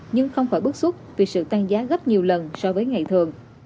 nhưng không khỏi bức xúc vì sự tăng giá gấp nhiều lần so với ngày thường